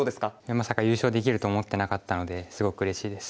まさか優勝できると思ってなかったのですごくうれしいです。